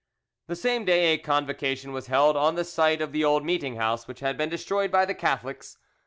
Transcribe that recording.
The same day a convocation was held on the site of the old meeting house which had been destroyed by the Catholics.